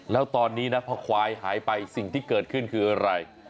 แล้วตอนนี้นะพอควายหายไปสิ่งที่เกิดขึ้นคืออะไร